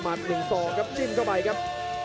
๑๒ครับจิ้มเข้าไปครับ